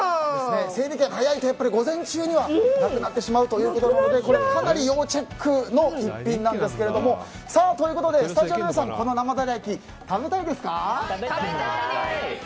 整理券は早いと午前中にはなくなってしまうということなのでかなり要チェックの一品なんですが。ということで、スタジオの皆さんこの生銅鑼焼を食べたいですか？